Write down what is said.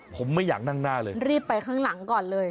ผมไม่อยากนั่งหน้าเลยรีบไปข้างหลังก่อนเลย